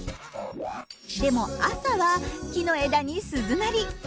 でも朝は木の枝に鈴なり。